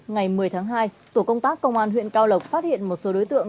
ngày một mươi tháng hai tổ công tác công an huyện cao lộc phát hiện một số đối tượng